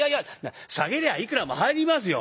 「下げりゃいくらも入りますよ」。